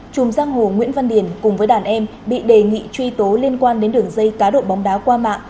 chùm giang hồ nguyễn văn điền cùng với đàn em bị đề nghị truy tố liên quan đến đường dây cá độ bóng đá qua mạng